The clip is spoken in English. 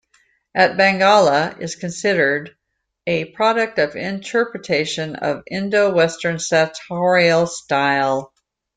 A Bandgala is considered a product of interpretation of Indo-Western sartorial style.